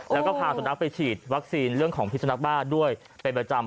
แล้วก็พาสุนัขไปฉีดวัคซีนเรื่องของพิสุนักบ้าด้วยเป็นประจำ